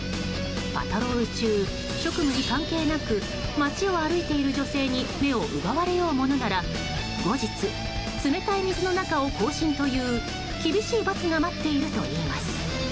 パトロール中、職務に関係なく街を歩いている女性に目が奪われようものなら後日、冷たい水の中を行進という厳しい罰が待っているといいます。